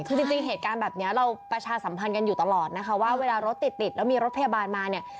คือจริงเหตุการณ์แบบนี้เราประชาสัมพันธ์กันอยู่ตลอดนะคะว่าเวลารถติดติดแล้วมีรถพยาบาลมาเนี่ย